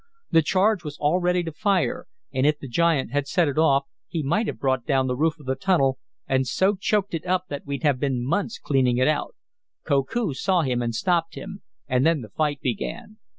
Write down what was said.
The charge was all ready to fire, and if the giant had set it off he might have brought down the roof of the tunnel and so choked it up that we'd have been months cleaning it out. Koku saw him and stopped him, and then the fight began.